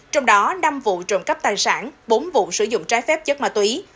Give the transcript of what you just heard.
trong đó năm vụ trộm cắp tài sản bốn vụ sử dụng trái phép chất mạ tùy